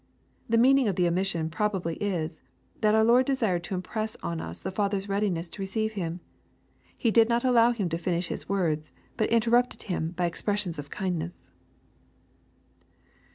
The meaning of the omission probably is, that our Lord desired to impress on us the father's readiness to receive him. He did not allow him to finish his words, but interrupted him by ex pressions of kindness.